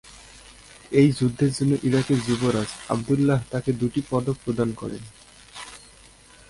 এই যুদ্ধের জন্য ইরাকের যুবরাজ আবদুল্লাহ তাকে দুটি পদক প্রদান করেন।